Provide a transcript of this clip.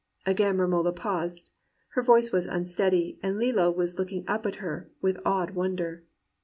"Again Romola paused. Her voice was unsteady, and Lillo was looking up at her with awed wonder.